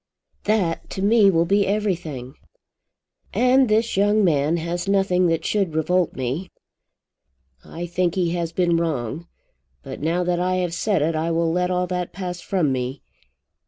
"That to me will be everything." "And this young man has nothing that should revolt me. I think he has been wrong. But now that I have said it I will let all that pass from me.